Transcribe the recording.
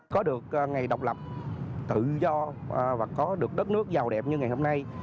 có được ngày độc lập tự do và có được đất nước giàu đẹp như ngày hôm nay